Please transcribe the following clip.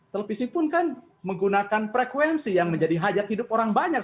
televisi pun kan menggunakan frekuensi yang menjadi hajat hidup orang banyak